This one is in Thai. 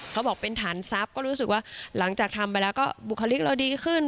เขาบอกเป็นฐานทรัพย์ก็รู้สึกว่าหลังจากทำไปแล้วก็บุคลิกเราดีขึ้น